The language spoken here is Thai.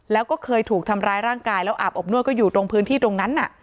แล้วก็เคยถูกทำร้ายร่างกายแล้วอาบอบนวดก็อยู่ตรงพื้นที่ตรงนั้น